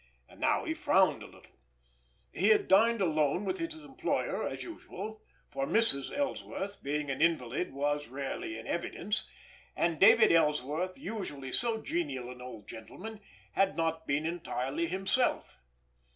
And now he frowned a little. He had dined alone with his employer as usual, for Mrs. Ellsworth being an invalid was rarely in evidence, and David Ellsworth usually so genial an old gentleman, had not been entirely himself.